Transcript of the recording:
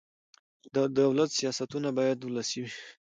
د دولت سیاستونه باید ولسي وي